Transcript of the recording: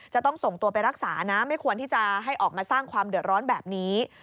จะต้องส่งตัวไปรักษานะไม่ควรที่จะให้ออกมาสร้างความเดือดร้อนแบบนี้